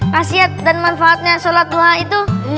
kasiat dan manfaatnya sholat duha itu